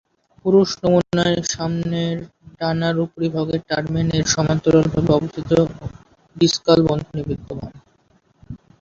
পুরুষ নমুনায় সামনের ডানার উপরিভাগে টার্মেন এর সমান্তরাল ভাবে অবস্থিত ডিসকাল বন্ধনী বিদ্যমান।